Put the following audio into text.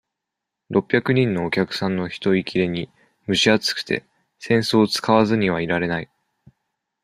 六百人のお客さんの人いきれに、むし暑くて、扇子を使わずにいられない。